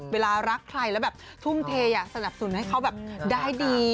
เวลารักใครแล้วแบบทุ่มเทอยากสนับสนุนให้เขาแบบได้ดี